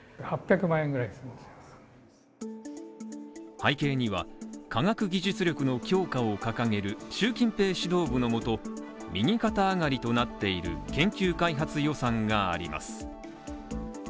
背景には、科学技術力の強化を掲げる習近平指導部のもと、右肩上がりとなっている研究開発予算があります。